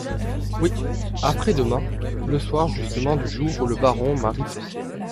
Oui, après-demain, le soir justement du jour où le baron marie sa fille.